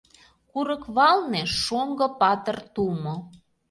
Курык валне — шоҥго патыр тумо.